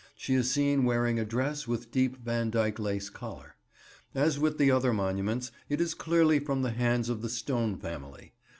She is seen wearing a dress with deep Vandyck lace collar. As with the other monuments, it is clearly from the hands of the Stone family.